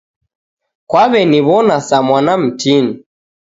Kwaw'eniw'ona saa mwana mtini.